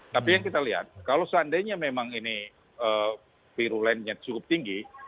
tapi yang kita lihat kalau seandainya memang ini virulennya cukup tinggi